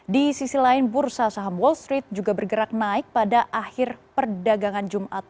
di sisi lain bursa saham wall street juga bergerak naik pada akhir perdagangan jumat